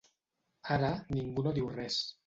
Ara ningú no diu res.